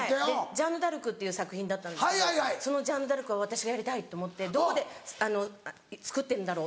『ジャンヌ・ダルク』っていう作品だったんですけどそのジャンヌ・ダルクは私がやりたいと思ってどこで作ってるんだろう？